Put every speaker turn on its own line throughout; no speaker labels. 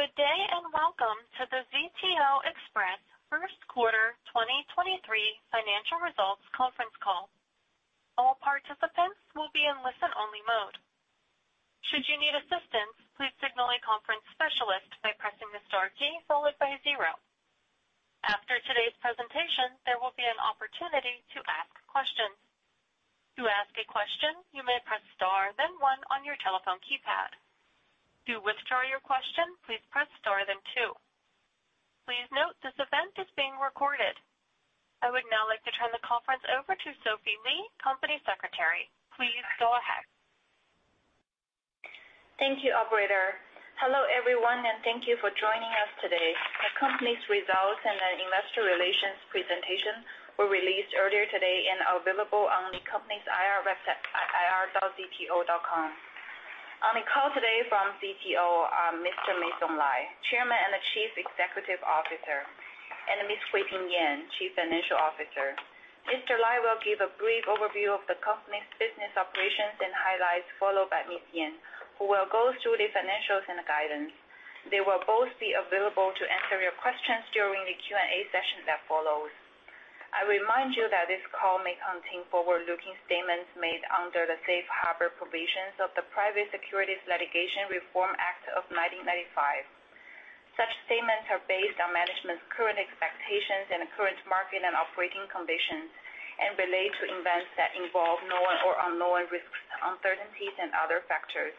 Good day and welcome to the ZTO Express first quarter 2023 financial results conference call. All participants will be in listen only mode. Should you need assistance, please signal a conference specialist by pressing the star key followed by a zero. After today's presentation, there will be an opportunity to ask questions. To ask a question, you may press star then one on your telephone keypad. To withdraw your question, please press star then two. Please note this event is being recorded. I would now like to turn the conference over to Sophie Li, Company Secretary. Please go ahead.
Thank you operator. Hello everyone, and thank you for joining us today. The company's results and an investor relations presentation were released earlier today and are available on the company's IR website ir.zto.com. On the call today from ZTO are Mr. Meisong Lai, Chairman and Chief Executive Officer, and Ms. Huiping Yan, Chief Financial Officer. Mr. Lai will give a brief overview of the company's business operations and highlights, followed by Ms. Yan, who will go through the financials and guidance. They will both be available to answer your questions during the Q&A session that follows. I remind you that this call may contain forward-looking statements made under the Safe Harbor provisions of the Private Securities Litigation Reform Act of 1995. Such statements are based on management's current expectations and current market and operating conditions and relate to events that involve known or unknown risks, uncertainties and other factors,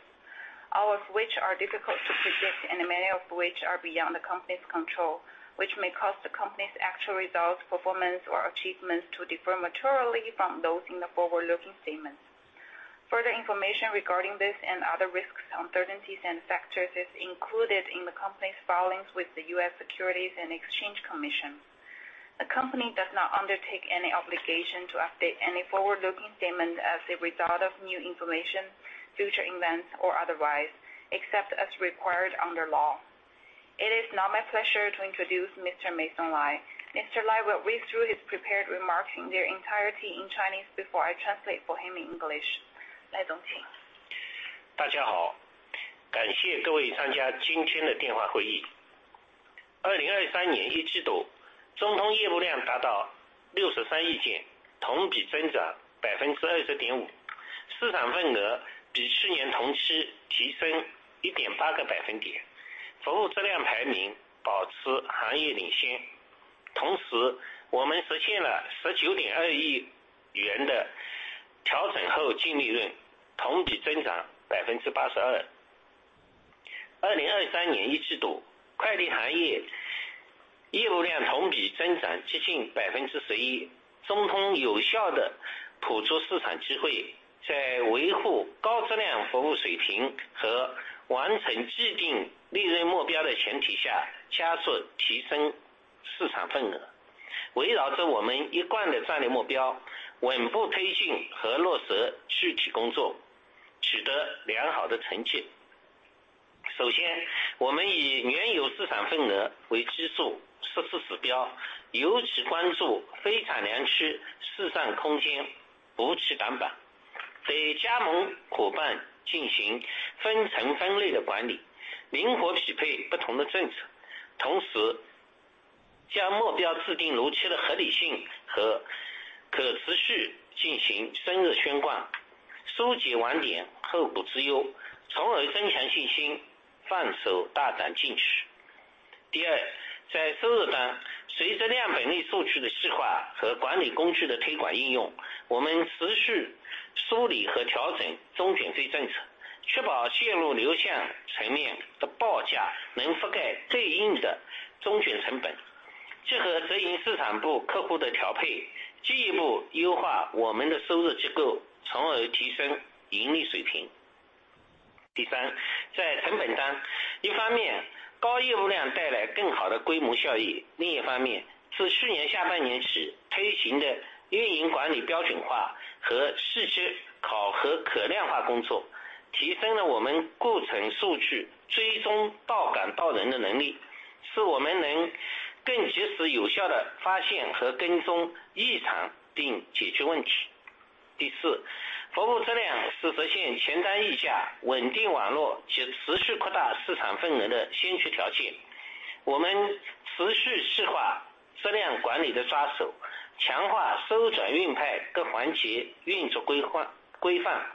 all of which are difficult to predict and many of which are beyond the company's control, which may cause the company's actual results, performance or achievements to differ materially from those in the forward-looking statements. Further information regarding this and other risks, uncertainties and factors is included in the company's filings with the US Securities and Exchange Commission. The company does not undertake any obligation to update any forward-looking statement as a result of new information, future events or otherwise, except as required under law. It is now my pleasure to introduce Mr. Meisong Lai. Mr. Lai will read through his prepared remarks in their entirety in Chinese before I translate for him in English. Lai Dongqing.
大家 好， 感谢各位参加今天的电话会议。二零二三年一季 度， 中通业务量达到六十三亿 件， 同比增长百分之二十点 五， 市场份额比去年同期提升一点八个百分点，服务质量排名保持行业领先。同时我们实现了十九点二亿元的调整后净利 润， 同比增长百分之八十二。二零二三年一季 度， 快递行业业务量同比增长接近百分之十一。中通有效地捕捉市场机 会， 在维护高质量服务水平和完成制定利润目标的前提 下， 加速提升市场份 额， 围绕着我们一贯的战略目 标， 稳步推进和落实具体工 作， 取得良好的成绩。首 先， 我们以原有市场份额为基数设立指 标， 尤其关注非产区市场空 间， 补齐短 板， 给加盟伙伴进行分层分类的管 理， 灵活匹配不同的政策。同时将目标制定如切的合理性和可持续进行深入宣 贯， 收集网点后顾之 忧， 从而增强信 心， 放手大胆进取。第 二， 在收入 端， 随着量本利收取的深化和管理工具的推广应用，我们持续梳理和调整终端费政 策， 确保线路流向层面的报价能覆盖对应的终选成 本， 结合运营市场部客户的调 配， 进一步优化我们的收入结 构， 从而提升盈利水平。第 三， 在成本 端， 一方面高业务量带来更好的规模效 益， 另一方 面， 自去年下半年起推行的运营管理标准化和试车考核可量化工 作， 提升了我们过程数据追踪到感到人的能 力， 使我们能更及时有效地发现和跟踪异常并解决问题。第 四， 服务质量是实现全单溢价、稳定网络及持续扩大市场份额的先决条件。我们持续深化质量管理的抓手，强化收转运派各环节运作规 范，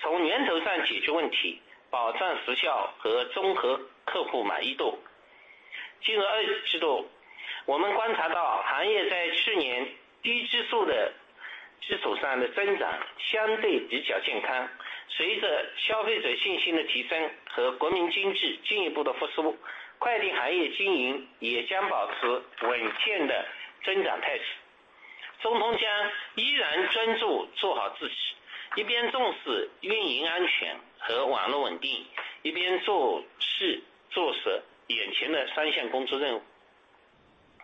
从源头上解决问 题， 保障时效和综合客户满意度。进入二季 度， 我们观察到行业在去年低基数的基数上的增长相对比较健康。随着消费者信心的提升和国民经济进一步的复 苏， 快递行业经营也将保持稳健的增长态势。中通将依然专注做好自 己， 一边重视运营安全和网络稳 定， 一边做细做事眼前的三项工作任务。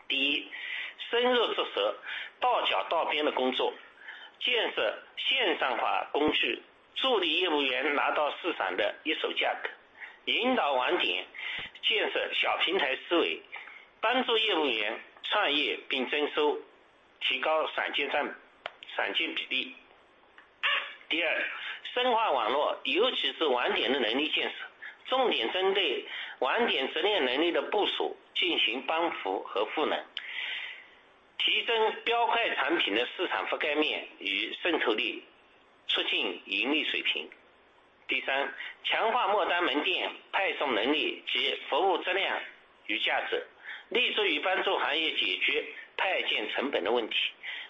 第 一， 深入落实到角到边的工 作， 建设线上化工 具， 助力业务员拿到市场的一手 价， 引导网点建设小平台思 维， 帮助业务员创业并增收，提高散件占--散件比例。第 二， 深化网 络， 尤其是网点的能力建 设， 重点针对网点执业能力的部署进行帮扶和赋 能， 提升标快产品的市场覆盖面与渗透 力， 促进盈利水平。第 三， 强化末端门店派送能力及服务质量与价 值， 立足于帮助行业解决派件成本的问 题，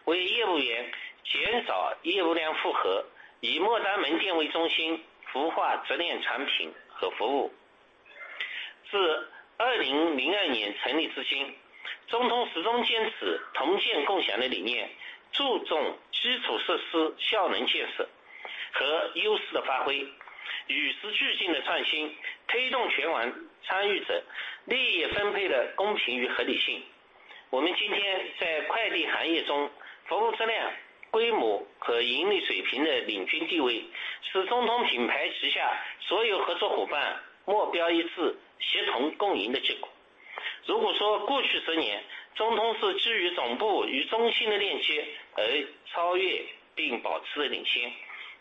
为业务员减少业务量负 荷， 以末端门店为中 心， 孵化执业产品和服务。自2002年成立至 今， 中通始终坚持同建共享的理 念， 注重基础设施效能建设和优势的发 挥， 与时俱进的创 新， 推动全网参与者利益分配的公平与合理性。我们今天在快递行业中服务质量、规模和盈利水平的领军地 位， 使中通品牌旗下所有合作伙伴目标一 致， 协同共赢的结果。如果说过去十 年， 中通是基于总部与中心的链接而超越并保持领 先，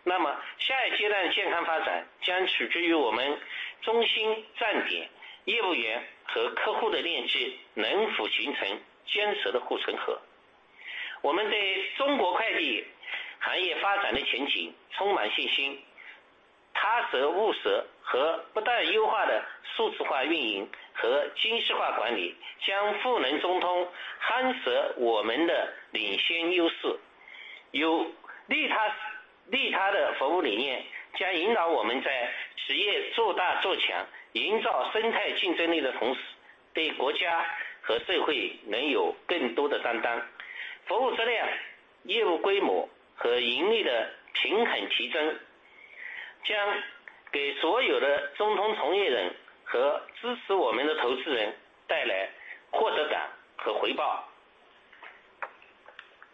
那么下一阶段健康发展将取决于我们中心、站点、业务员和客户的链接能否形成坚实的护城河。我们对中国快递行业发展的前景充满信心。踏实、务实和不断优化的数字化运营和精细化管 理， 将赋能中 通， 夯实我们的领先优 势， 有利于他的服务理念将引导我们在企业做大做强、营造生态竞争力的同 时， 对国家和社会能有更多的担当。服务质量、业务规模和盈利的平衡提 升， 将给所有的中通同业人和支持我们的投资人带来获得感和回报。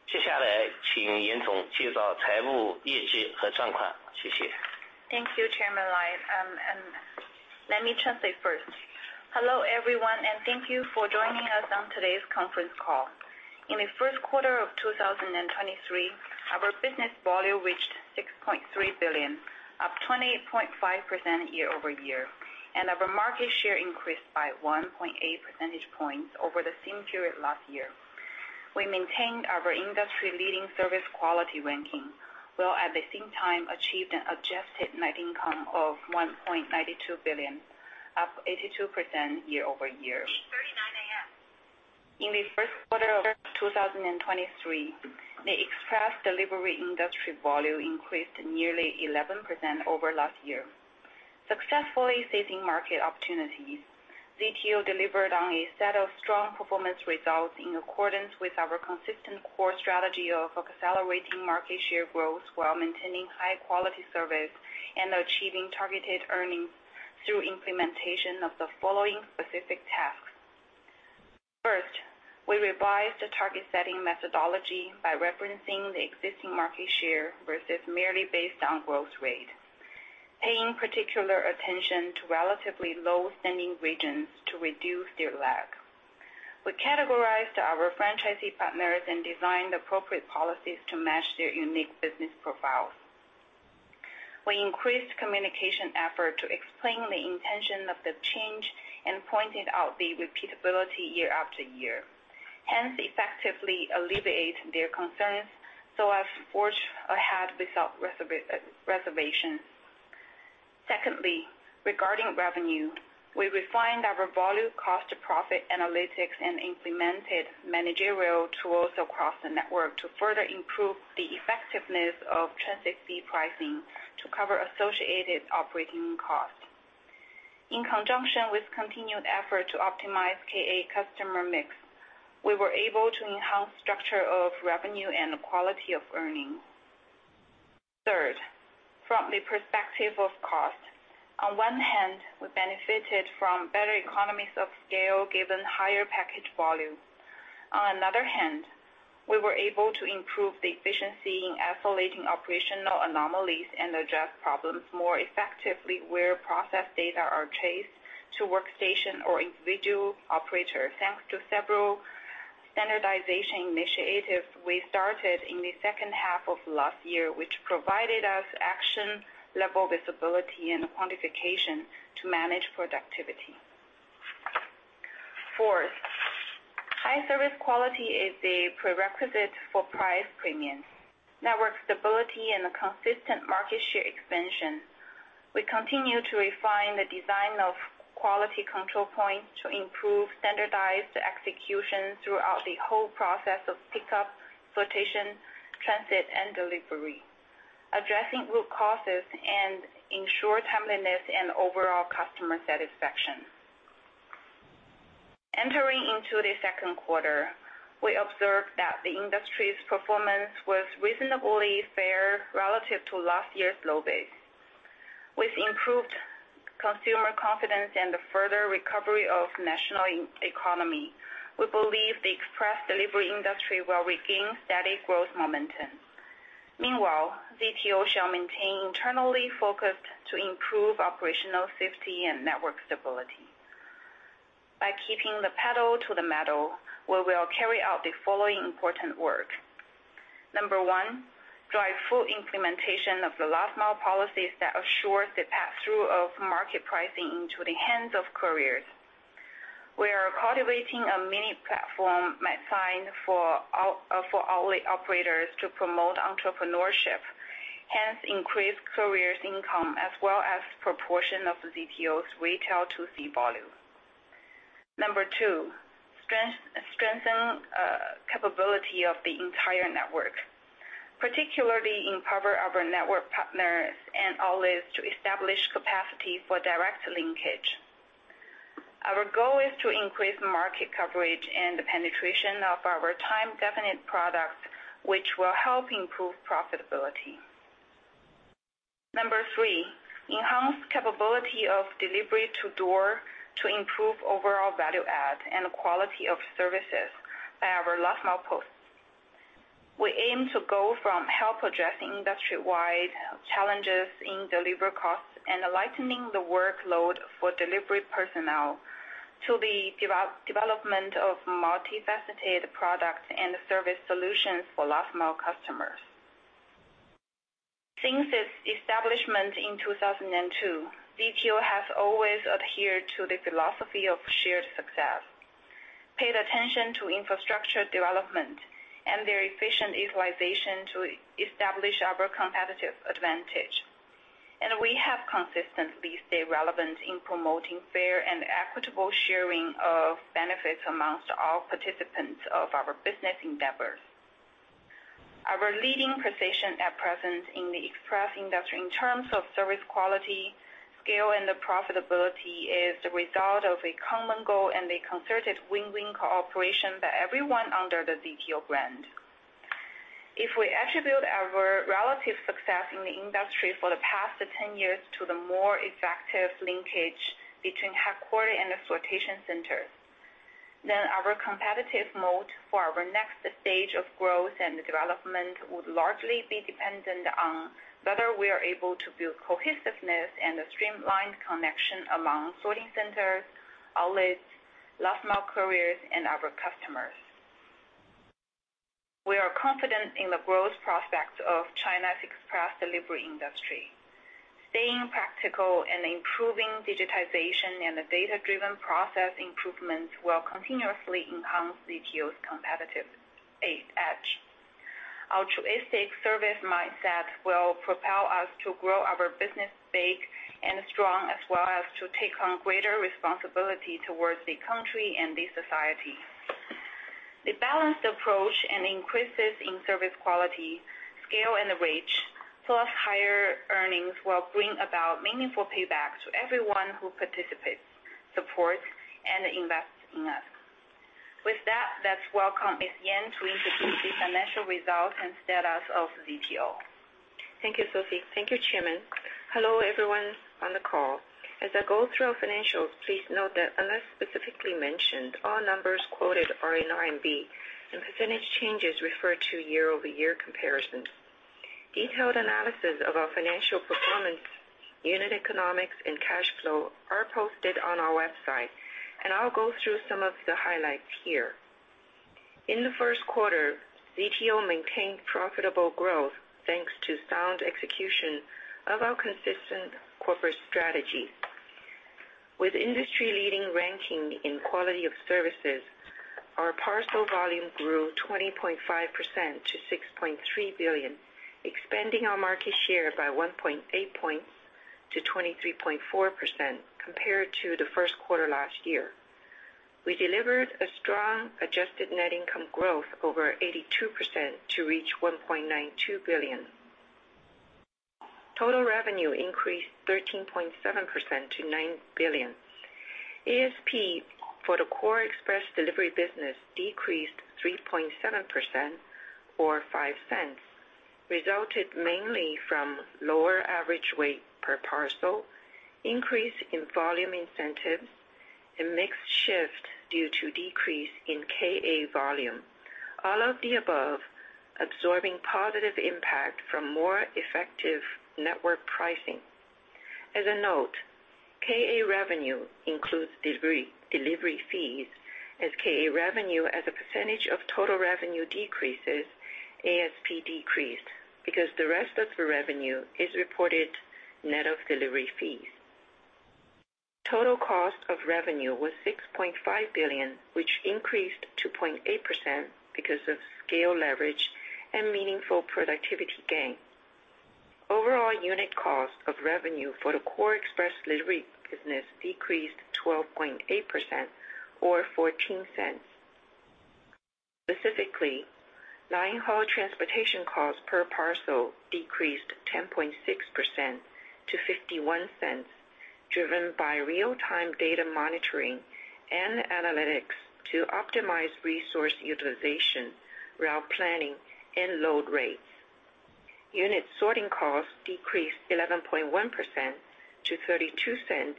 接下来请严总介绍财务业绩和状况。谢谢。
Thank you, Chairman Lai. Let me translate first. Hello everyone, thank you for joining us on today's conference call. In the first quarter of 2023, our business volume reached 6.3 billion, up 28.5% year-over-year. Our market share increased by 1.8 percentage points over the same period last year. We maintained our industry-leading service quality ranking, while at the same time achieved an adjusted net income of 1.92 billion, up 82% year-over-year. In the first quarter of 2023, the express delivery industry volume increased nearly 11% over last year, successfully seizing market opportunities. ZTO delivered on a set of strong performance results in accordance with our consistent core strategy of accelerating market share growth while maintaining high quality service and achieving targeted earnings through implementation of the following specific tasks. We revised the target setting methodology by referencing the existing market share versus merely based on growth rate, paying particular attention to relatively low standing regions to reduce their lag. We categorized our franchisee partners and designed appropriate policies to match their unique business profiles. We increased communication effort to explain the intention of the change and pointed out the repeatability year after year, hence effectively alleviate their concerns so as forge ahead without reservation. Regarding revenue, we refined our volume cost to profit analytics and implemented managerial tools across the network to further improve the effectiveness of transit fee pricing to cover associated operating costs. In conjunction with continued effort to optimize KA customer mix, we were able to enhance structure of revenue and quality of earnings. From the perspective of cost, on one hand, we benefited from better economies of scale given higher package volume. On another hand, we were able to improve the efficiency in isolating operational anomalies and address problems more effectively where process data are traced to workstation or individual operator. Thanks to several standardization initiatives we started in the second half of last year, which provided us action, level visibility and quantification to manage productivity. Fourth, high service quality is a prerequisite for price premiums, network stability and a consistent market share expansion. We continue to refine the design of quality control points to improve standardized execution throughout the whole process of pickup, rotation, transit and delivery, addressing root causes and ensure timeliness and overall customer satisfaction. Entering into the second quarter, we observed that the industry's performance was reasonably fair relative to last year's low base. With improved consumer confidence and the further recovery of national economy, we believe the express delivery industry will regain steady growth momentum. Meanwhile, ZTO shall maintain internally focused to improve operational safety and network stability. By keeping the pedal to the metal, we will carry out the following important work. Number one, drive full implementation of the last mile policies that assure the passthrough of market pricing into the hands of couriers. We are cultivating a mini platform designed for outlet operators to promote entrepreneurship, hence increase couriers income as well as proportion of the ZTO's retail 2C volume. Number two, strengthen capability of the entire network, particularly empower our network partners and outlets to establish capacity for direct linkage. Our goal is to increase market coverage and the penetration of our time-definite products, which will help improve profitability. Number three, enhance capability of delivery to door to improve overall value add and quality of services by our last mile posts. We aim to go from help addressing industry-wide challenges in delivery costs and lightening the workload for delivery personnel to the development of multifaceted products and service solutions for last mile customers. Since its establishment in 2002, ZTO has always adhered to the philosophy of shared success, paid attention to infrastructure development and their efficient utilization to establish our competitive advantage. We have consistently stayed relevant in promoting fair and equitable sharing of benefits amongst all participants of our business endeavors. Our leading position at present in the express industry in terms of service quality, scale and the profitability is the result of a common goal and a concerted win-win cooperation by everyone under the ZTO brand. If we attribute our relative success in the industry for the past 10 years to the more effective linkage between headquarter and the sorting centers, then our competitive mode for our next stage of growth and development would largely be dependent on whether we are able to build cohesiveness and a streamlined connection among sorting centers, outlets, last-mile couriers, and our customers. We are confident in the growth prospects of China's express delivery industry. Staying practical and improving digitization and the data-driven process improvements will continuously enhance ZTO's competitive edge. Our altruistic service mindset will propel us to grow our business big and strong, as well as to take on greater responsibility towards the country and the society. The balanced approach and increases in service quality, scale and reach, plus higher earnings, will bring about meaningful payback to everyone who participates, supports and invests in us. With that, let's welcome Ms. Yan to introduce the financial results and status of ZTO.
Thank you, Sophie. Thank you, Chairman. Hello, everyone on the call. As I go through our financials, please note that unless specifically mentioned, all numbers quoted are in RMB and percentage changes refer to year-over-year comparisons. Detailed analysis of our financial performance, unit economics and cash flow are posted on our website. I'll go through some of the highlights here. In the first quarter, ZTO maintained profitable growth thanks to sound execution of our consistent corporate strategy. With industry-leading ranking in quality of services, our parcel volume grew 20.5% to 6.3 billion, expanding our market share by 1.8 points to 23.4% compared to the first quarter last year. We delivered a strong adjusted net income growth over 82% to reach 1.92 billion. Total revenue increased 13.7% to 9 billion. ASP for the core express delivery business decreased 3.7% or $0.05, resulted mainly from lower average weight per parcel, increase in volume incentives, and mix shift due to decrease in KA volume. All of the above absorbing positive impact from more effective network pricing. As a note, KA revenue includes delivery fees. As KA revenue as a percentage of total revenue decreases, ASP decreased because the rest of the revenue is reported net of delivery fees. Total cost of revenue was $6.5 billion, which increased 2.8% because of scale leverage and meaningful productivity gain. Overall unit cost of revenue for the core express delivery business decreased 12.8% or $0.14. Specifically, line haul transportation costs per parcel decreased 10.6% to $0.51, driven by real-time data monitoring and analytics to optimize resource utilization, route planning, and load rates. Unit sorting costs decreased 11.1% to $0.32,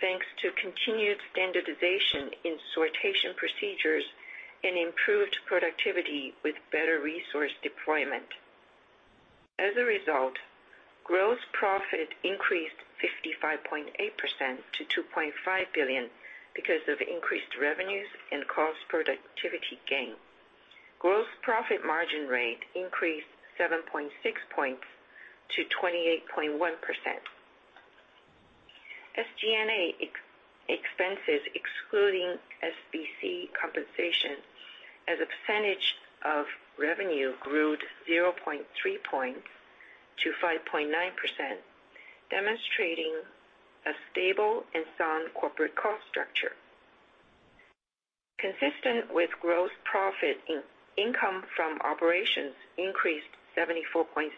thanks to continued standardization in sortation procedures and improved productivity with better resource deployment. As a result, gross profit increased 55.8% to $2.5 billion because of increased revenues and cost productivity gain. Gross profit margin rate increased 7.6 points to 28.1%. SG&A expenses, excluding SBC compensation as a percentage of revenue, grew 0.3 points to 5.9%, demonstrating a stable and sound corporate cost structure. Consistent with gross profit, income from operations increased 74.7%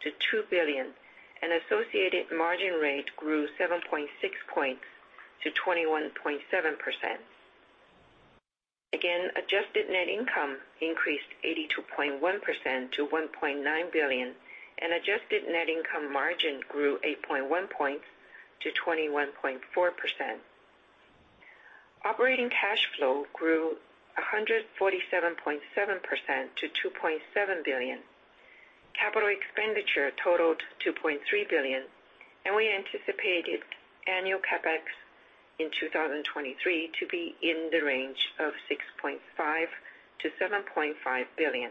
to $2 billion, and associated margin rate grew 7.6 points to 21.7%. Adjusted net income increased 82.1% to 1.9 billion and adjusted net income margin grew 8.1 points to 21.4%. Operating cash flow grew 147.7% to 2.7 billion. Capital expenditure totaled 2.3 billion and we anticipated annual CapEx in 2023 to be in the range of 6.5 billion-7.5 billion.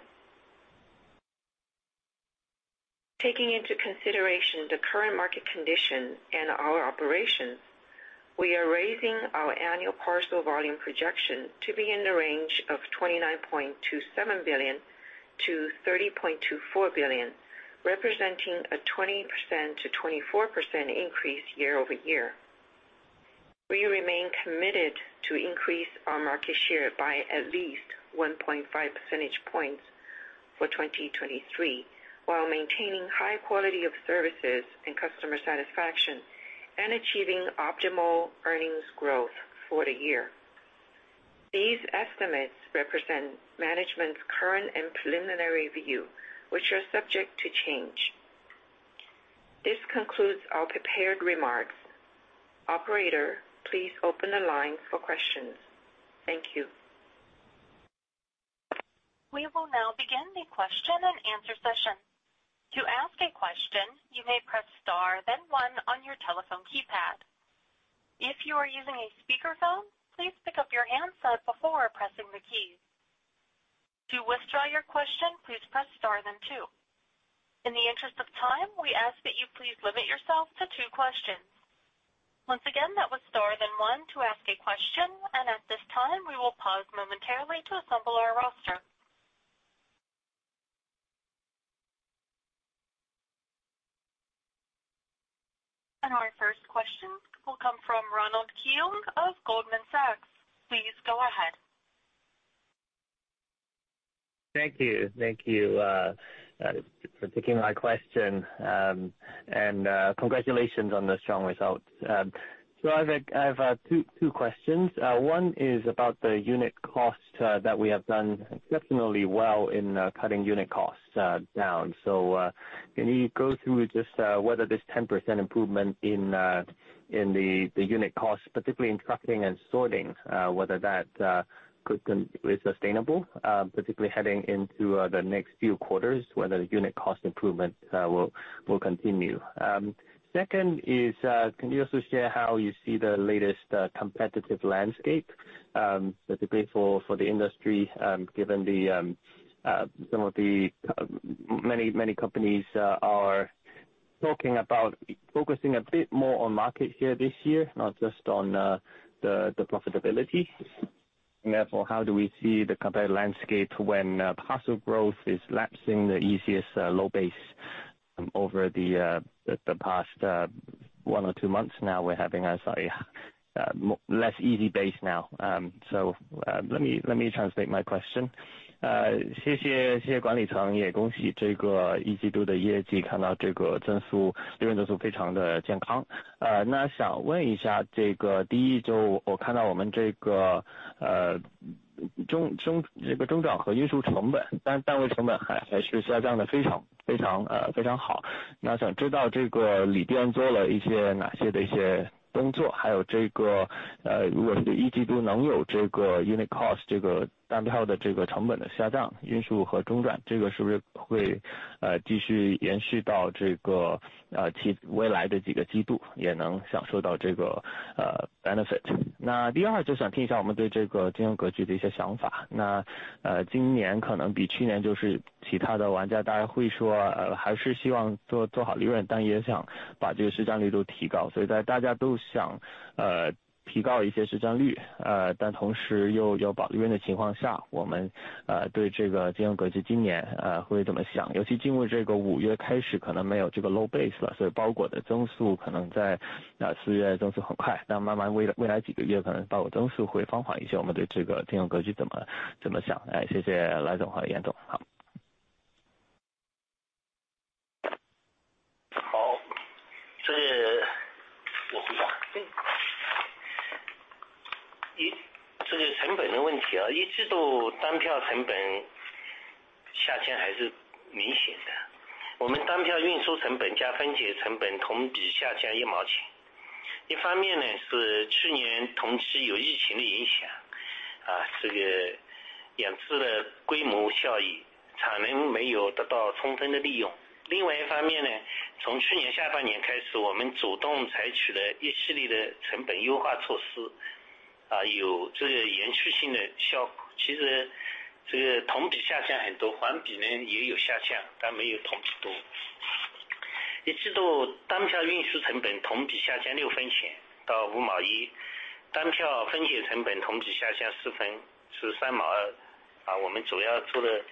Into consideration the current market condition and our operations, we are raising our annual parcel volume projection to be in the range of 29.27 billion-30.24 billion, representing a 20% increase to 24% increase year-over-year. We remain committed to increase our market share by at least 1.5 percentage points for 2023, while maintaining high quality of services and customer satisfaction and achieving optimal earnings growth for the year. These estimates represent management's current and preliminary view, which are subject to change. This concludes our prepared remarks. Operator, please open the line for questions. Thank you.
We will now begin the question and answer session. To ask a question, you may press star, then one on your telephone keypad. If you are using a speakerphone, please pick up your handset before pressing the keys. To withdraw your question, please press star then two. In the interest of time, we ask that you please limit yourself to two questions. Once again, that was star then one to ask a question, and at this time, we will pause momentarily to assemble our roster. Our first question will come from Ronald Keung of Goldman Sachs. Please go ahead.
Thank you. Thank you for taking my question. Congratulations on the strong results. I've two questions. One is about the unit cost that we have done exceptionally well in cutting unit costs down. Can you go through just whether this 10% improvement in the unit cost, particularly in trucking and sorting, whether that is sustainable, particularly heading into the next few quarters, whether the unit cost improvement will continue? Second, can you also share how you see the latest competitive landscape, particularly for the industry, given the some of the many companies are talking about focusing a bit more on market share this year, not just on the profitability? How do we see the competitive landscape when parcel growth is lapsing the easiest low base over the past one or two months. We're having a slightly less easy base now. Let me translate my question. Uh, 谢 谢， 谢谢管理 层， 也恭喜这个一季度的业 绩， 看到这个增 速， 利润增速非常的健康。呃， 那想问一下这 个， 第一就我看到我们这 个， 呃， 中-中--这个中转和运输成 本， 单-单位成本还-还是下降得非 常， 非 常， 呃， 非常 好， 那想知道这个里边做了一些哪些的一些工 作， 还有这 个， 呃， 如果是这一季度能有这个 unit cost， 这个单票的这个成本的下 降， 运输和中 转， 这个是不是 会， 呃， 继续延续到这 个， 呃， 其未来的几个季度也能享受到这 个， 呃 ，benefit？ 那第二就想听一下我们对这个竞争格局的一些想 法， 那， 呃， 今年可能比去年就是其他的玩家大概会 说， 呃， 还是希望做-做好利 润， 但也想把这个市占率度提高。所以在大家都 想， 呃， 提高一些市占 率， 呃， 但同时又要保利润的情况 下， 我 们， 呃， 对这个竞争格局今 年， 呃， 会怎么 想？ 尤其进入这个五月开 始， 可能没有这个 low base 了， 所以包裹的增速可能 在， 那四月增速很 快， 但慢慢未 来， 未来几个月可能包裹增速会放缓一些。我们对这个竞争格局怎 么， 怎么 想？ 来谢谢来总和严总。好。
好, 我回 答. 这个成本的问题 啊, Q1 单票成本下降还是明显 的. 我们单票运输成本加分拣成本同比下降 RMB 0.1.一 方面呢是去年同期有疫情的影 响， 啊， 这个养殖的规模效 益， 产能没有得到充分的利用。另外一方面 呢， 从去年下半年开 始， 我们主动采取了一系列的成本优化措施， 啊， 有这个延续性的效果。其实这个同比下降很 多， 环比呢也有下 降， 但没有同比多。一次度单票运输成本同比下降六分钱到五毛 一， 单票分拣成本同比下降四分是三毛二。啊我们主要做的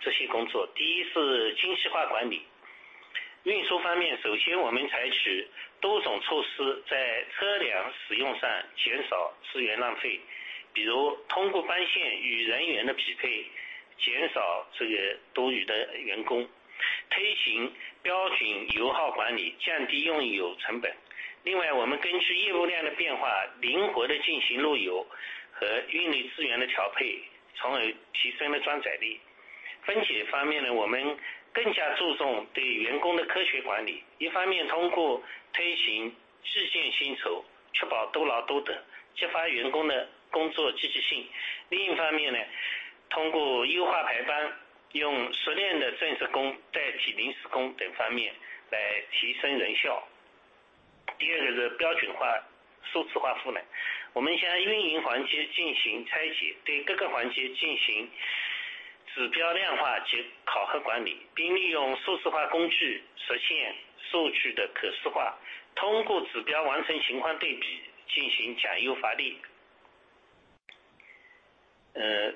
这些工 作， 第一是精细化管理。运输方 面， 首先我们采取多种措 施， 在车辆使用上减少资源浪 费， 比如通过班线与人员的匹 配， 减少这个多余的员 工； 推行标准油耗管 理， 降低用油成本。另外我们根据业务量的变 化， 灵活地进行路油和运营资源的调 配， 从而提升了装载力。分拣方面 呢， 我们更加注重对员工的科学管理。一方面通过推行计件薪 酬， 确保多劳多 得， 激发员工的工作积极性。另一方面 呢， 通过优化排 班， 用熟练的正职工代替临时工等方面来提升人效。第二个是标准化数字化赋能。我们先运营环节进行拆 解， 对各个环节进行指标量化及考核管 理， 并利用数字化工具实现数据的可视 化， 通过指标完成情况对比进行讲优罚劣。呃，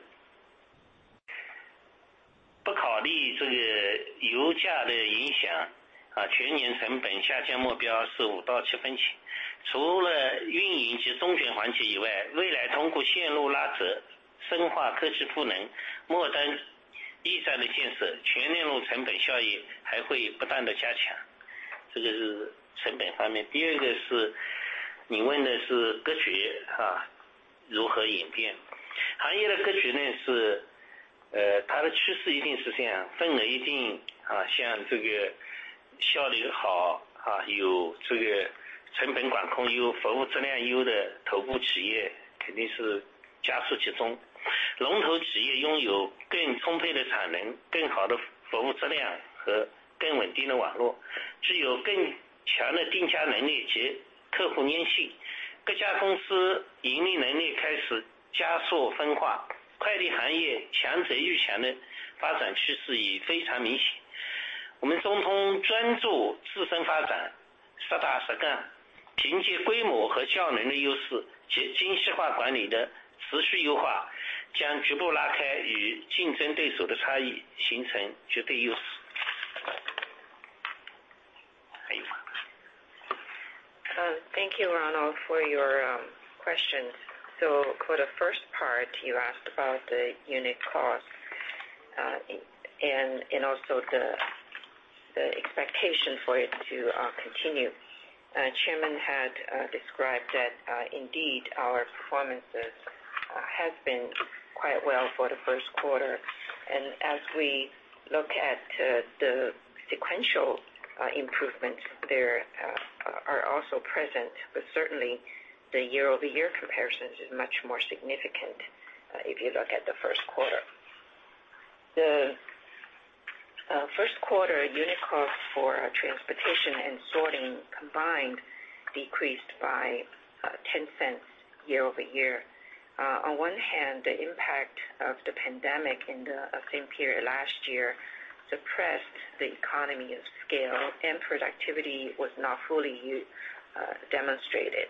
不考虑这个油价的影 响， 啊全年成本下降目标是五到七分钱。除了运营及中转环节以 外， 未来通过线路拉 直， 深化科技赋 能， 末端驿站的建 设， 全链路成本效益还会不断的加强。这个是成本方面。第二个是你问的是格局 啊， 如何演变。行业的格局呢 是， 呃， 它的趋势一定是这 样， 份额一 定， 啊像这个效率 好， 啊有这个成本管控优、服务质量优的头部企 业， 肯定是加速集中。龙头企业拥有更充沛的产能、更好的服务质量和更稳定的网 络， 具有更强的定价能力及客户粘性。各家公司盈利能力开始加速分 化， 快递行业强者愈强的发展趋势已非常明显。我们中通专注自身发 展， 踏踏实 干， 凭借规模和效能的优 势， 及精细化管理的持续优 化， 将逐步拉开与竞争对手的差 异， 形成绝对优势。还有 吗？
Thank you Ronald for your question. For the first part you asked about the unit cost and also the expectation for it to continue. Chairman had described that indeed, our performances have been quite well for the first quarter. As we look at the sequential improvements there are also present, but certainly the year-over-year comparisons is much more significant if you look at the first quarter. The first quarter unit cost for our transportation and sorting combined decreased by 0.10 year-over-year. On one hand, the impact of the pandemic in the same period last year suppressed the economy of scale and productivity was not fully demonstrated.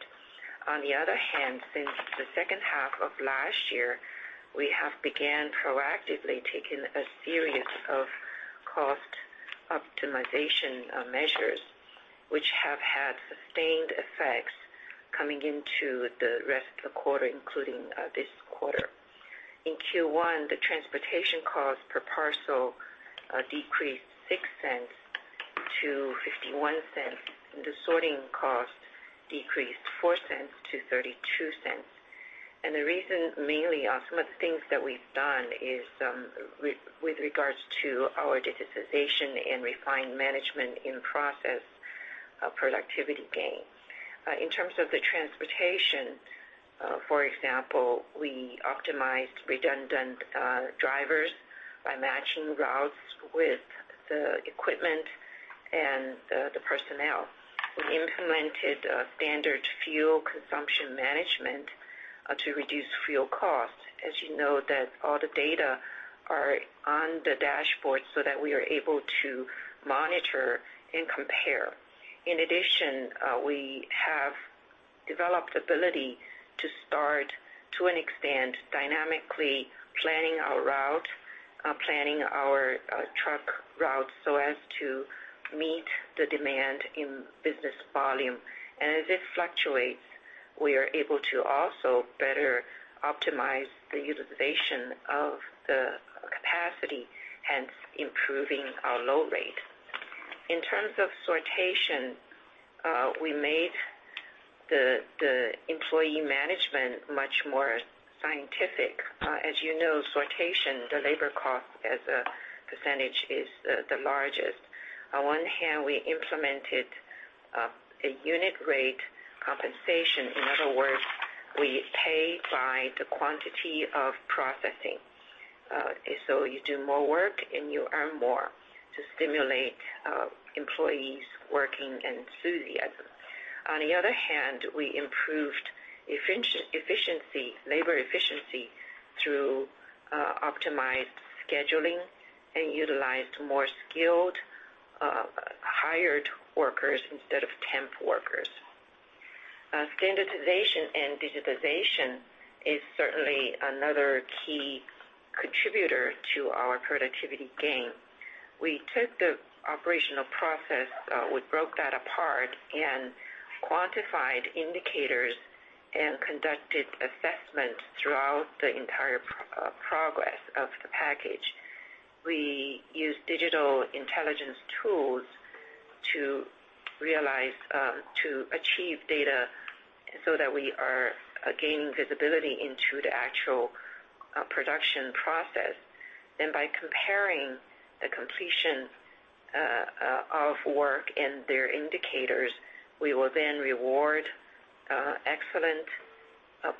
On the other hand, since the second half of last year, we have began proactively taking a series of cost optimization measures which have had sustained effects coming into the rest of the quarter, including this quarter. In Q1, the transportation cost per parcel decreased $0.06 to $0.51, and the sorting cost decreased $0.04 to $0.32. The reason mainly are some of the things that we've done is with regards to our digitization and refined management in process, productivity gain. In terms of the transportation, for example, we optimized redundant drivers by matching routes with the equipment and the personnel. We implemented standard fuel consumption management to reduce fuel costs. As you know that all the data are on the dashboard so that we are able to monitor and compare. In addition, we have developed ability to start to an extent dynamically planning our route, planning our truck routes so as to meet the demand in business volume. As it fluctuates, we are able to also better optimize the utilization of the capacity, hence improving our load rate. In terms of sortation, we made the employee management much more scientific. As you know, sortation, the labor cost as a percentage is the largest. On one hand, we implemented a unit rate compensation. In other words, we pay by the quantity of processing. You do more work and you earn more to stimulate employees working enthusiasm. On the other hand, we improved efficiency, labor efficiency through optimized scheduling and utilized more skilled hired workers instead of temp workers. Standardization and digitization is certainly another key contributor to our productivity gain. We took the operational process, we broke that apart and quantified indicators and conducted assessments throughout the entire progress of the package. We used digital intelligence tools to realize, to achieve data so that we are gaining visibility into the actual production process. By comparing the completion of work and their indicators, we will then reward excellent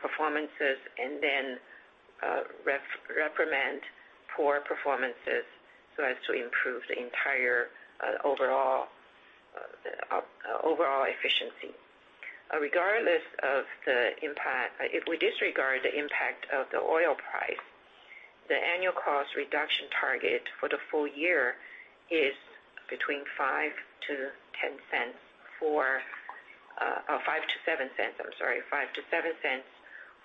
performances and then reprimand poor performances so as to improve the entire overall efficiency. Regardless of the impact, if we disregard the impact of the oil price, the annual cost reduction target for the full year is between 0.05 to 0.10 for... 0.05 to 0.07, I'm sorry. 0.05 to 0.07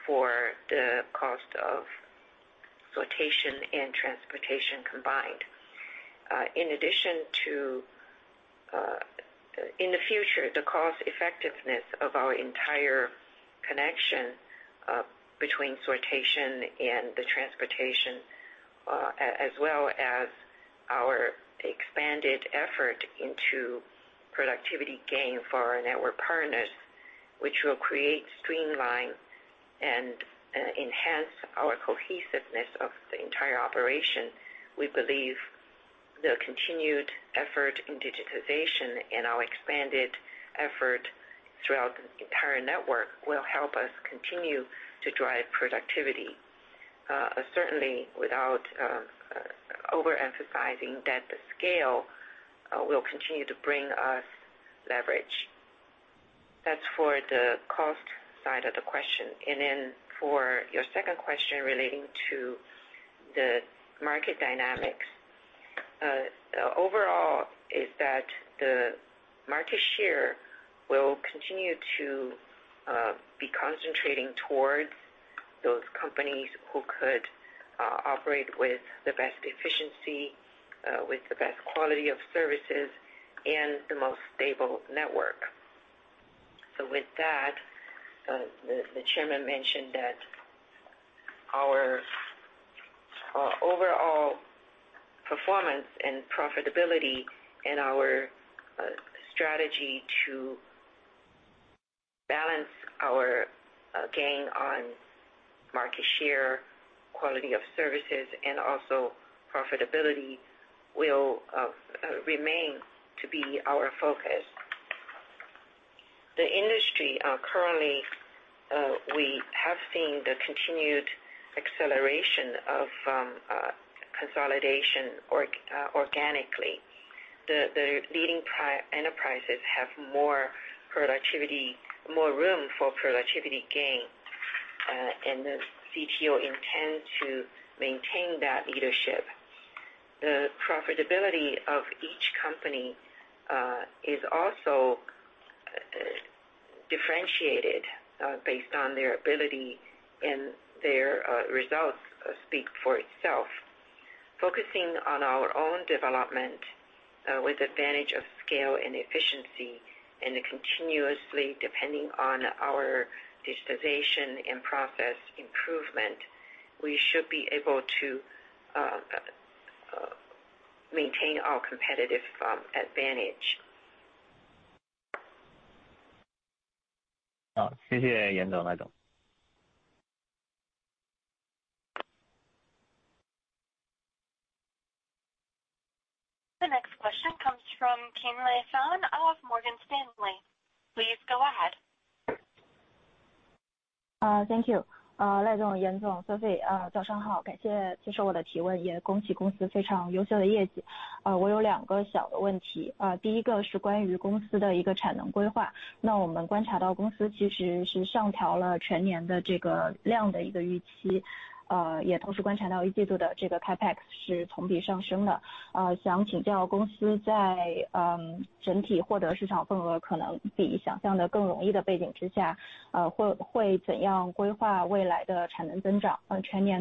for the cost of sortation and transportation combined. In addition to in the future, the cost effectiveness of our entire connection between sortation and the transportation, as well as our expanded effort into productivity gain for our network partners, which will create, streamline, and enhance our cohesiveness of the entire operation, we believe the continued effort in digitization and our expanded effort throughout the entire network will help us continue to drive productivity, certainly without overemphasizing that the scale will continue to bring us leverage. That's for the cost side of the question. For your second question relating to the market dynamics, overall is that the market share will continue to be concentrating towards those companies who could operate with the best efficiency, with the best quality of services and the most stable network. With that, the chairman mentioned that our overall performance and profitability and our strategy to balance our gain on market share, quality of services, and also profitability will remain to be our focus. The industry currently we have seen the continued acceleration of consolidation organically. The leading enterprises have more productivity, more room for productivity gain, and the ZTO intends to maintain that leadership. The profitability of each company is also differentiated based on their ability, and their results speak for itself. Focusing on our own development with advantage of scale and efficiency, and continuously depending on our digitization and process improvement, we should be able to maintain our competitive advantage.
The next question comes from Qianlei Fanof Morgan Stanley. Please go ahead.
Thank you. Lai, Yan, Sophie, good morning. Thank you for taking my question, and congratulations on the company's excellent performance. I have two small questions. The first one is about the company's capacity plan. We observed that the company actually raised the annual amount expectation. We also observed that the CapEx for the first quarter increased year-on-year. I would like to ask the company, in the context where the overall market share acquisition may be easier than imagined, how will you plan the future capacity growth? Will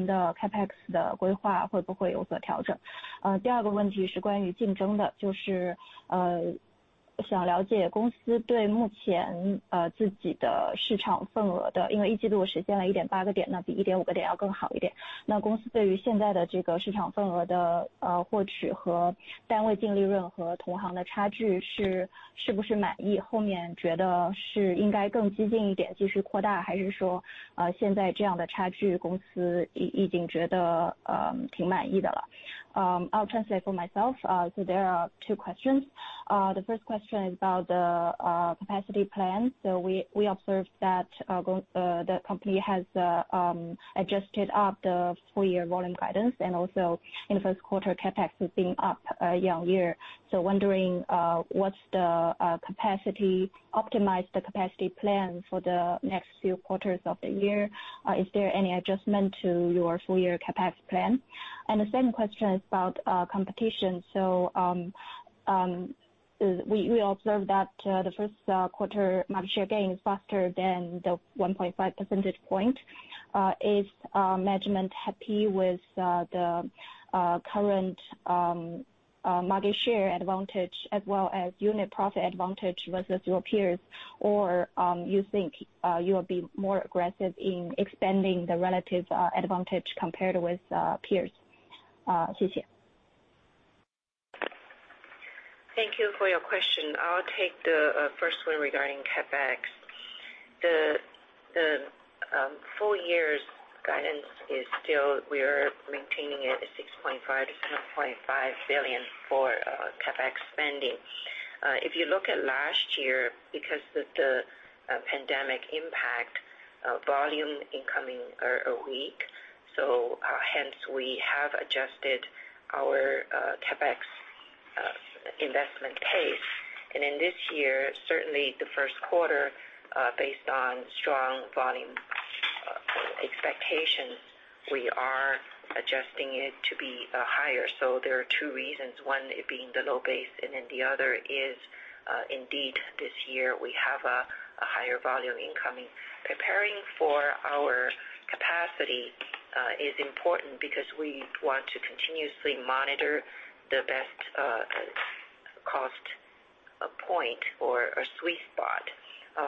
the CapEx plan for the full year be adjusted? The second question is about competition.想 了解公司对目前自己的市场份额 的， 因为一季度实现了 1.8 percentage points， 那比 1.5 percentage points 要更好一点。那公司对于现在的这个市场份额的获取和单位净利润和同行的差距是是不是 满意， 后面觉得是应该更激进一点继续 扩大， 还是说现在这样的差距公司已经觉得挺满意的了？ I'll translate for myself. There are two questions. The first question is about the capacity plan. We observe that the company has adjusted up the full year volume guidance and also in first quarter CapEx has been up year-on-year. Wondering what's the optimize the capacity plan for the next few quarters of the year? Is there any adjustment to your full year CapEx plan? The second question is about competition. We observe that the first quarter market share gain is faster than the 1.5 percentage point. Is management happy with the current market share advantage as well as unit profit advantage versus your peers, or you think you will be more aggressive in expanding the relative advantage compared with peers? 谢谢.
Thank you for your question. I'll take the first one regarding CapEx. The full year's guidance is still we are maintaining it at 6.5 billion-7.5 billion for CapEx spending. If you look at last year, because the pandemic impact volume incoming are weak, hence we have adjusted our CapEx investment pace. In this year, certainly the first quarter, based on strong volume expectations, we are adjusting it to be higher. There are two reasons. One being the low base, and then the other is indeed this year we have a higher volume incoming. Preparing for our capacity is important because we want to continuously monitor the best cost point or sweet spot.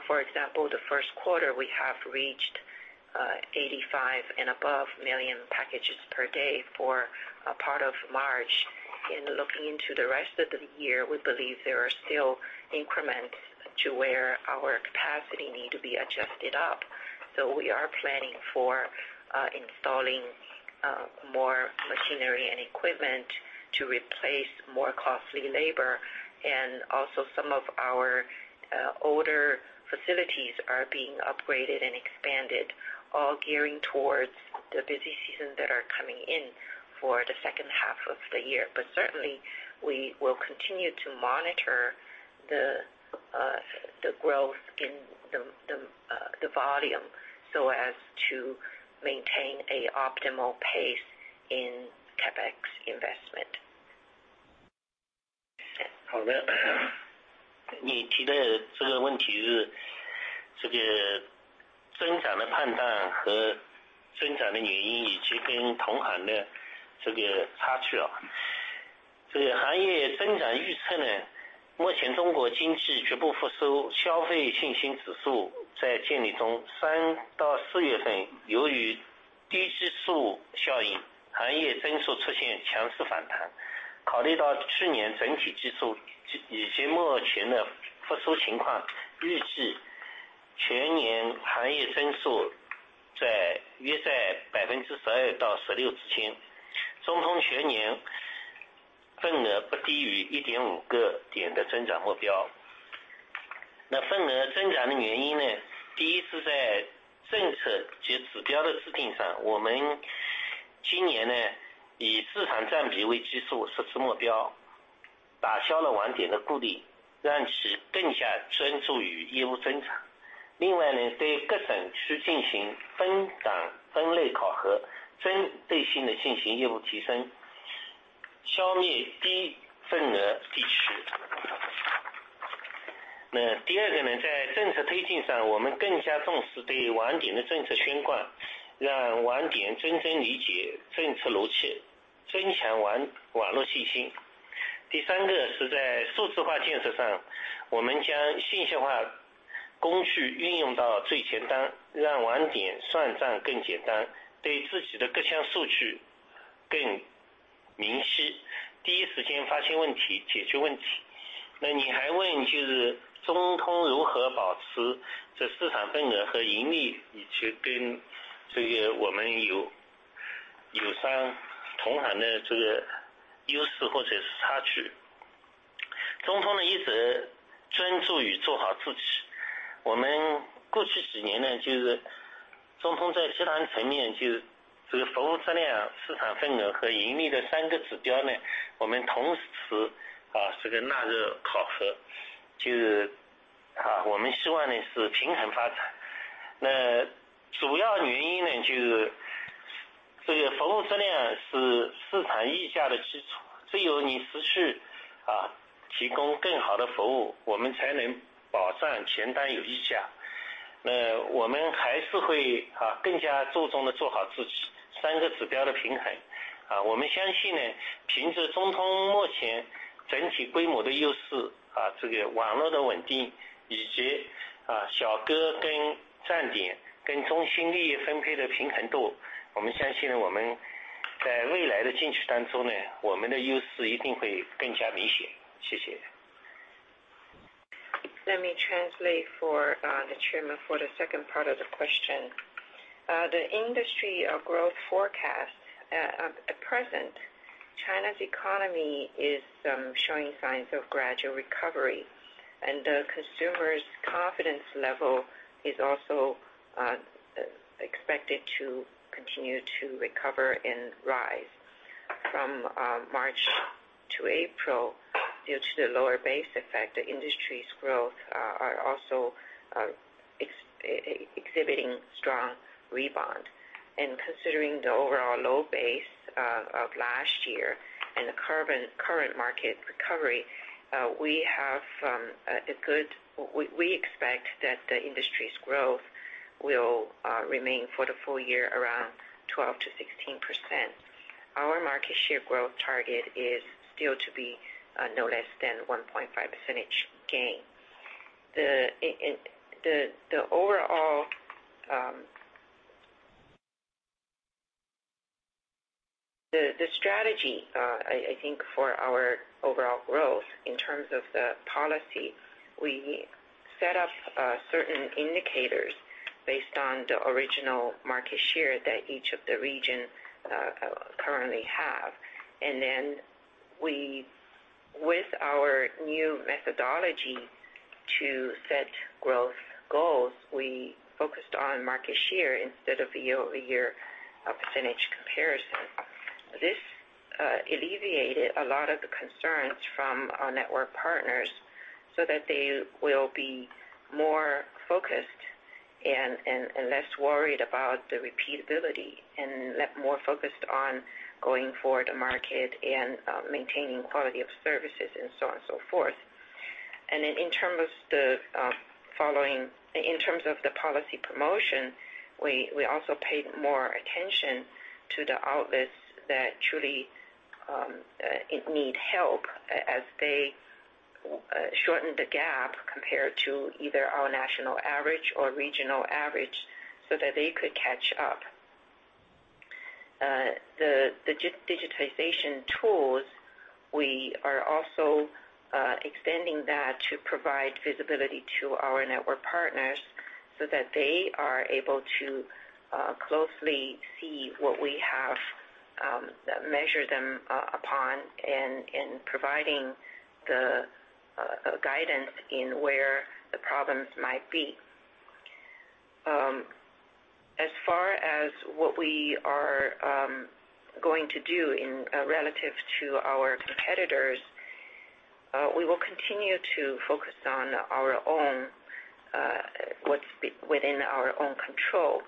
For example, the first quarter we have reached 85 and above million packages per day for a part of March. In looking into the rest of the year, we believe there are still increments to where our capacity need to be adjusted up. We are planning for installing more machinery and equipment to replace more costly labor. Also some of our older facilities are being upgraded and expanded, all gearing towards the busy season that are coming in for the second half of the year. Certainly we will continue to monitor the growth in the volume so as to maintain an optimal pace in CapEx investment.
好 的， 你提的这个问题是这个增长的判断和增长的原 因， 以及跟同行的这个差距啊。这个行业增长预测 呢， 目前中国经济逐步复 苏， 消费信心指数在建立中。三到四月份由于低基数效 应， 行业增速出现强势反弹。考虑到去年整体基数以及目前的复苏情 况， 预计全年行业增速在约在百分之十二到十六之 间， 中通全年份额不低于一点五个点的增长目标。那份额增长的原因 呢， 第一是在政策及指标的制定 上， 我们今年呢以市场占比为基数设置目 标， 打消了网点的顾 虑， 让其更加专注于业务增长。另外 呢， 对各省区进行分档分类考 核， 针对性地进行业务提 升， 消灭低份额地区。那第二个 呢， 在政策推进 上， 我们更加重视对网点的政策宣 贯， 让网点真正理解政策逻 辑， 增强网-网络信心。第三个是在数字化建设 上， 我们将信息化工具运用到最前 端， 让网点算账更简 单， 对自己的各项数据更明 晰， 第一时间发现问 题， 解决问题。那你还问就是中通如何保持这市场份额和盈 利， 以及跟这个我们友-友商同行的这个优势或者差距。中通呢一直专注于做好自己。我们过去几年 呢， 就是中通在集团层 面， 就是这个服务质量、市场份额和盈利的三个指标 呢， 我们同时啊这个纳入考核，就是 好， 我们希望呢是平衡发展。那主要原因 呢， 就这个服务质量是市场溢价的基 础， 只有你持续啊提供更好的服 务， 我们才能保障前端有溢价我们还是会 啊， 更加注重地做好自己三个指标的平衡。啊我们相信 呢， 凭借中通目前整体规模的优势，啊这个网络的稳 定， 以及啊小哥跟站点跟中心利益分配的平衡 度， 我们相信我们在未来的竞争当中 呢， 我们的优势一定会更加明显。谢谢。
Let me translate for the chairman for the second part of the question. The industry of growth forecast at present, China's economy is showing signs of gradual recovery, and consumers' confidence level is also expected to continue to recover and rise. From March to April, due to the lower base effect, the industry's growth are also exhibiting strong rebound. Considering the overall low base of last year and the current market recovery, we expect that the industry's growth will remain for the full year around 12%-16%. Our market share growth target is still to be no less than 1.5 percentage gain. The overall... The strategy, I think for our overall growth in terms of the policy, we set up certain indicators based on the original market share that each of the region currently have. We with our new methodology to set growth goals, we focused on market share instead of year-over-year percentage comparison. This alleviated a lot of the concerns from our network partners so that they will be more focused and less worried about the repeatability and more focused on going for the market and maintaining quality of services and so on and so forth. In terms of the policy promotion, we also paid more attention to the outlets that truly need help as they shorten the gap compared to either our national average or regional average so that they could catch up. The digitalization tools, we are also extending that to provide visibility to our network partners so that they are able to closely see what we have measured them upon and in providing the guidance in where the problems might be. As far as what we are going to do in relative to our competitors, we will continue to focus on our own, what's within our own control.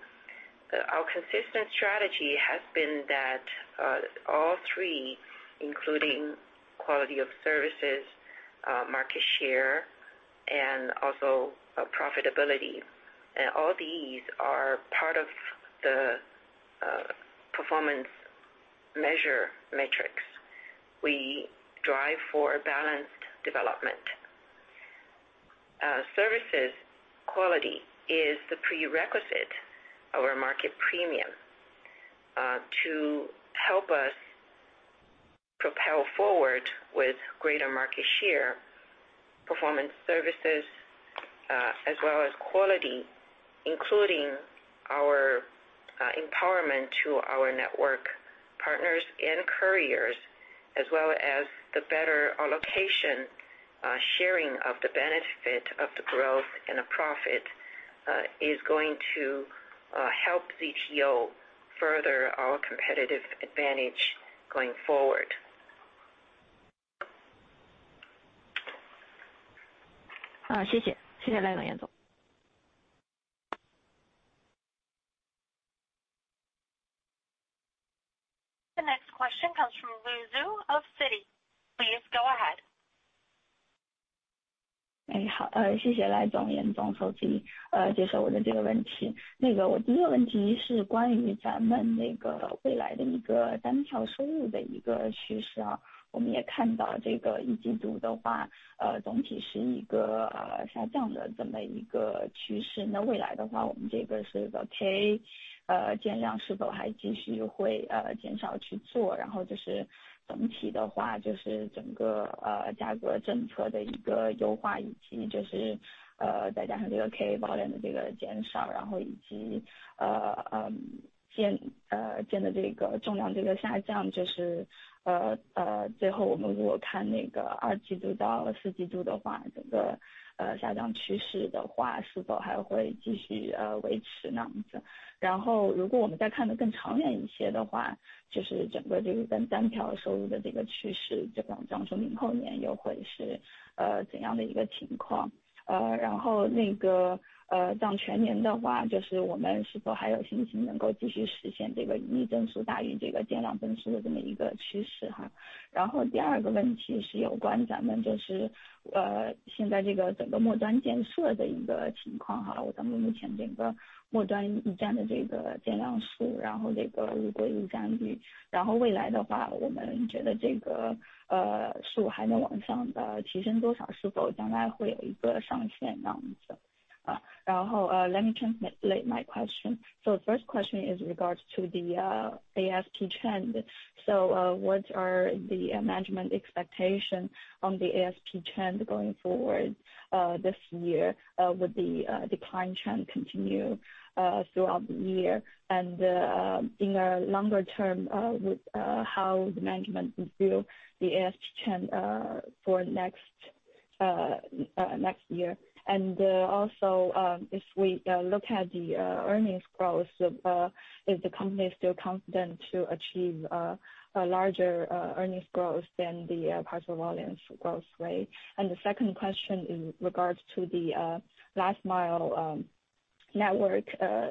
Our consistent strategy has been that all three, including quality of services, market share, and also profitability, all these are part of the performance measure matrix. We drive for balanced development. Services quality is the prerequisite of our market premium to help us propel forward with greater market share, performance services, as well as quality, including our empowerment to our network partners and couriers, as well as the better allocation sharing of the benefit of the growth and the profit, is going to help ZTO further our competitive advantage going forward.
谢谢。谢谢赖总、严总。
The next question comes from Lu Xu of Citi. Please go ahead.
你 好， 谢谢赖总、严 总， 谢谢接受我的这个问题。那个我第一个问题是关于咱们那个未来的一个单票收入的一个趋势 啊， 我们也看到这个一季度的 话， 呃， 总体是一个 啊， 下降的这么一个趋势。那未来的 话， 我们这个是否可 以， 呃， 减量是否还继续会 呃， 减少去 做， 然后就是总体的 话， 就是整个 呃， 价格政策的一个优 化， 以及就是 呃， 再加上这个 K 包量的这个减 少， 然后以及呃- 呃， 件， 呃， 件的这个重量这个下 降， 就是呃- 呃， 最后我们如果看那个二季度到四季度的 话， 整个呃，下降趋势的 话， 是否还会继续 呃， 维持那样子。然后如果我们再看得更长远一些的 话， 就是整个这个跟单票收入的这个趋 势， 就比方说明后年又会 是， 呃， 怎样的一个情况。呃， 然后那 个， 呃， 像全年的 话， 就是我们是否还有信心能够继续实现这个逆增速大于这个减量增速的这么一个趋势哈。然后第二个问题是有关咱们就 是， 呃， 现在这个整个末端建设的一个情况 哈， 我咱们目前整个末端一站的这个减量 数， 然后这个无柜率占 率， 然后未来的 话， 我们觉得这 个， 呃， 数还能往上的提升多 少， 是否将来会有一个上限那样子。Let me translate my question. The first question is regards to the ASP trend. What are the management expectation on the ASP trend going forward this year? Will the decline trend continue throughout the year? In a longer term, with how the management view the ASP trend for next year. Also, if we look at the earnings growth, is the company still confident to achieve a larger earnings growth than the parcel volume growth rate? The second question in regards to the last-mile network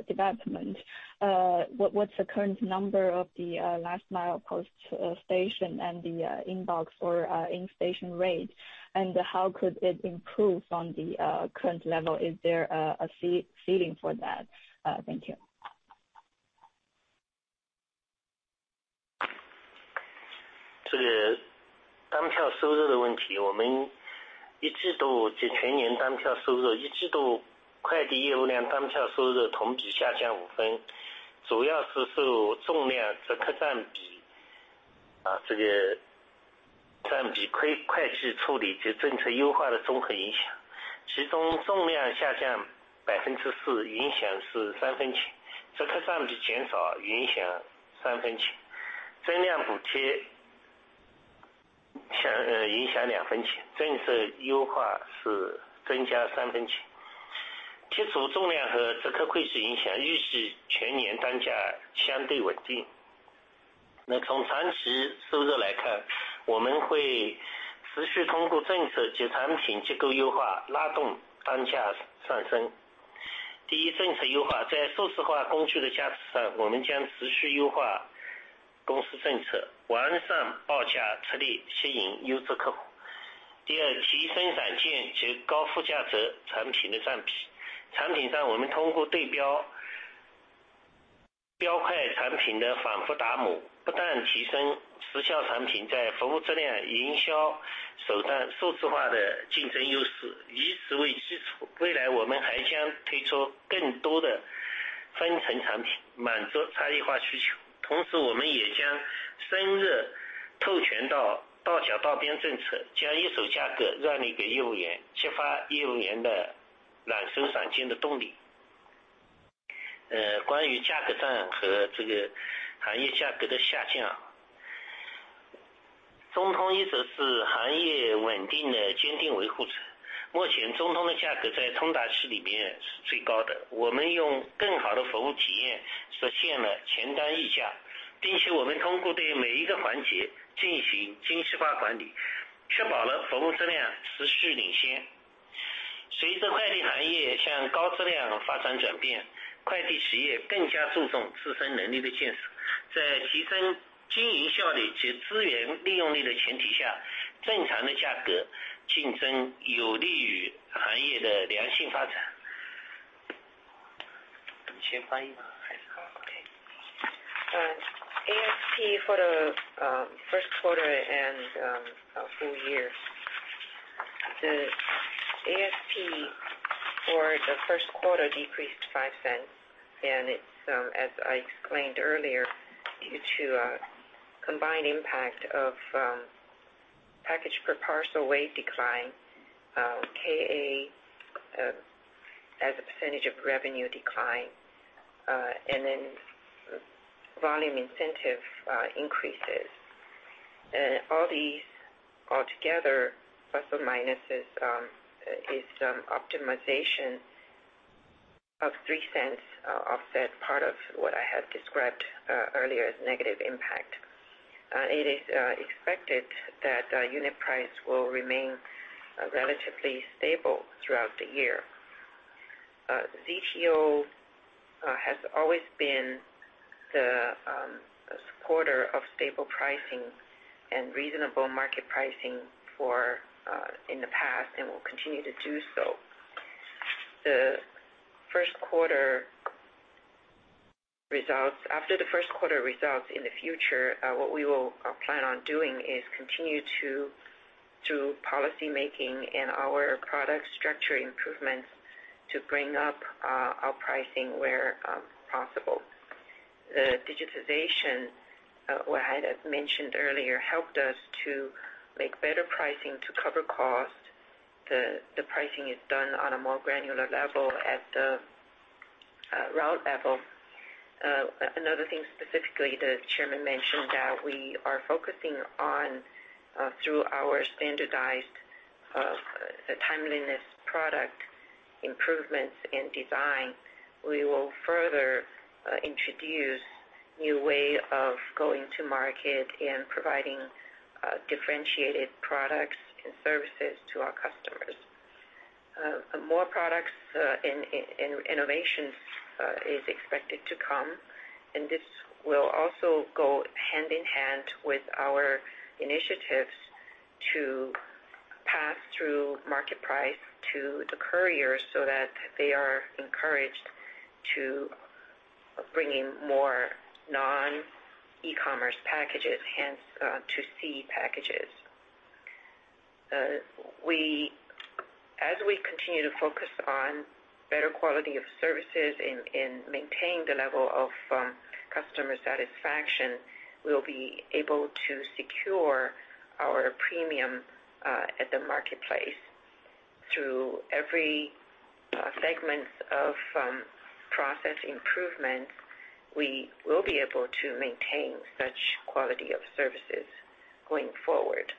development. What's the current number of the last mile posts station and the inbox or in-station rate, and how could it improve from the current level? Is there a ceiling for that? Thank you.
ASP for the first quarter and full year. The ASP for the first quarter decreased $0.05. It's, as I explained earlier, due to a combined impact of package per parcel weight decline, KA as a percentage of revenue decline, and then volume incentive increases. All these altogether, plus or minuses, is optimization of $0.03, offset part of what I had described earlier as negative impact. It is expected that unit price will remain relatively stable throughout the year. ZTO has always been the supporter of stable pricing and reasonable market pricing in the past, and will continue to do so. After the first quarter results in the future, what we will plan on doing is continue to policy making and our product structure improvements to bring up our pricing where possible. The digitization what I had mentioned earlier, helped us to make better pricing to cover cost. The pricing is done on a more granular level at the route level. Another thing specifically, the Chairman mentioned that we are focusing on through our standardized timeliness product improvements and design, we will further introduce new way of going to market and providing differentiated products and services to our customers. More products and innovations is expected to come. This will also go hand in hand with our initiatives to pass through market price to the couriers so that they are encouraged to bringing more non-eCommerce packages, hence, 2C packages. As we continue to focus on better quality of services and maintain the level of customer satisfaction, we'll be able to secure our premium at the marketplace. Through every segment of process improvement, we will be able to maintain such quality of services going forward.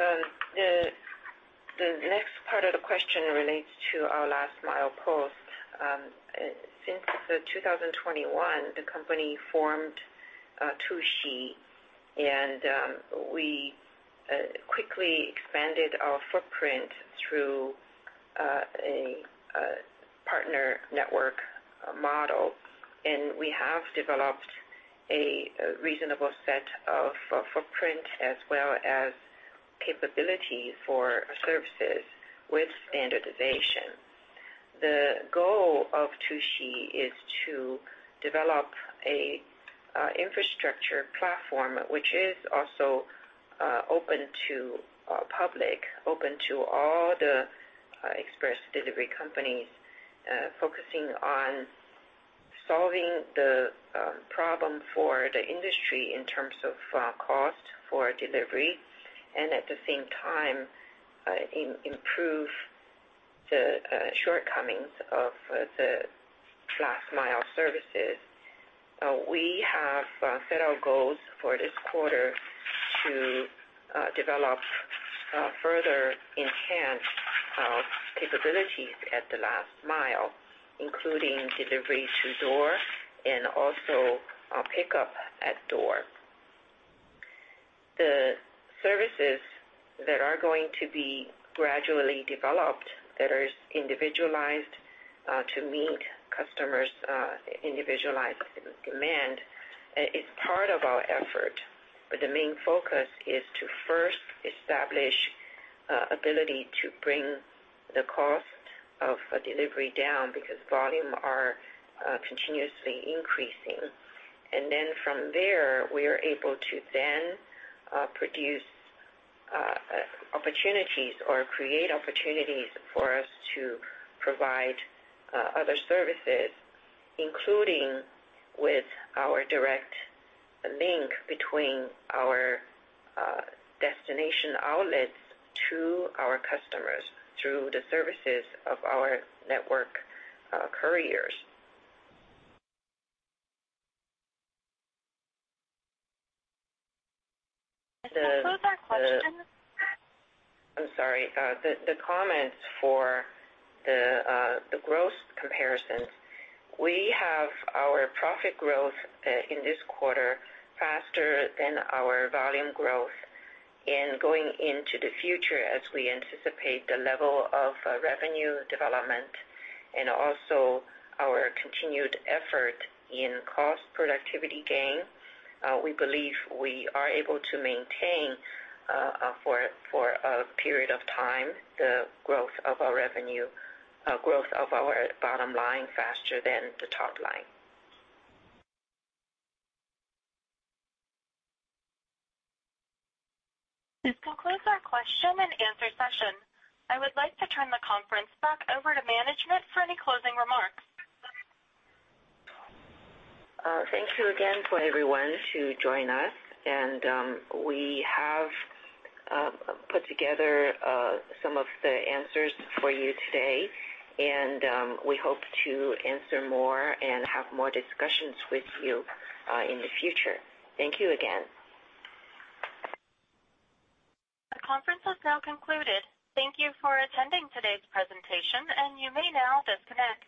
The next part of the question relates to our last mile post. Since the 2021, the company formed Tuxi, and we quickly expanded our footprint through a partner network model, and we have developed a reasonable set of footprint as well as capability for services with standardization. The goal of Tuxi is to develop a infrastructure platform which is also open to public, open to all the express delivery companies, focusing on solving the problem for the industry in terms of cost for delivery and at the same time, improve the shortcomings of the last mile services. We have set our goals for this quarter to develop further enhanced capabilities at the last mile, including delivery to door and also pickup at door. The services that are going to be gradually developed, that is individualized, to meet customers, individualized demand, is part of our effort. The main focus is to first establish, ability to bring the cost of a delivery down because volume are, continuously increasing. From there, we are able to then, produce, opportunities or create opportunities for us to provide, other services, including with our direct link between our, destination outlets to our customers through the services of our network, couriers.
This concludes our questions.
I'm sorry. The comments for the growth comparisons, we have our profit growth in this quarter faster than our volume growth. Going into the future, as we anticipate the level of revenue development and also our continued effort in cost productivity gain, we believe we are able to maintain for a period of time, the growth of our revenue, growth of our bottom line faster than the top line.
This concludes our question and answer session. I would like to turn the conference back over to management for any closing remarks.
Thank you again for everyone to join us. We have put together some of the answers for you today, and we hope to answer more and have more discussions with you in the future. Thank you again.
The conference has now concluded. Thank you for attending today's presentation, and you may now disconnect.